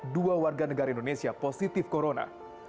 dua warga negara indonesia positif corona